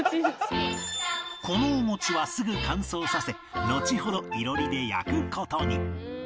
このお餅はすぐ乾燥させのちほど囲炉裏で焼く事に